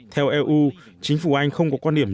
theo eu chính phủ anh không có quan điểm